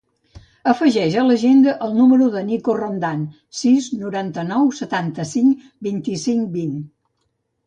Afegeix a l'agenda el número del Niko Rondan: sis, noranta-nou, setanta-cinc, vint-i-cinc, vint.